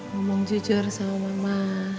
ngomong jujur sama mama